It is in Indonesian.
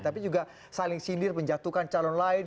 tapi juga saling sindir menjatuhkan calon lain